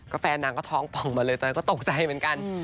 แฟนนางก็ท้องป่องมาเลยตอนนั้นก็ตกใจเหมือนกัน